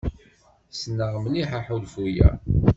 Ssneɣ mliḥ aḥulfu-a.